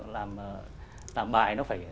làm bài nó phải